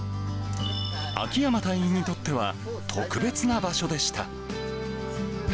秋山隊員にとっては、特別な場所でした。